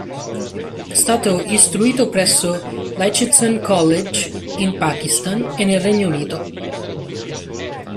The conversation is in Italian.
È stato istruito presso l'Aitchison College in Pakistan e nel Regno Unito.